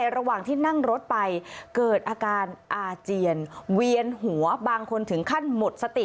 ระหว่างที่นั่งรถไปเกิดอาการอาเจียนเวียนหัวบางคนถึงขั้นหมดสติ